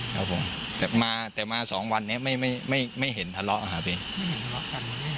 ครับผมแต่มาแต่มาสองวันเนี้ยไม่ไม่ไม่ไม่เห็นทะเลาะครับพี่ไม่เห็นทะเลาะกัน